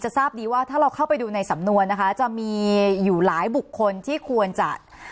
ทราบดีว่าถ้าเราเข้าไปดูในสำนวนนะคะจะมีอยู่หลายบุคคลที่ควรจะ